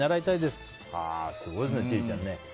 すごいですね、千里ちゃん。